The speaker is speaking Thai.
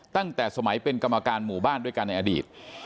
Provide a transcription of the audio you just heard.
ตั้งแต่สมัยเป็นกรรมการหมู่บ้านด้วยกันในอดีต